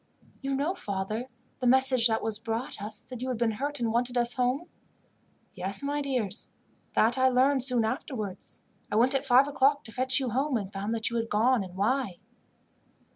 "You know, father, the message that was brought us, that you had been hurt and wanted us home?" "Yes, my dears, that I learned soon afterwards. I went at five o'clock to fetch you home, and found that you had gone, and why."